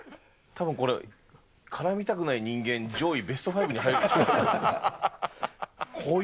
たぶん、これ、絡みたくない人間上位ベスト５に入るでしょう。